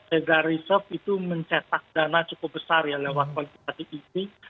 ega reserve itu mencetak dana cukup besar ya lewat kualifikasi ini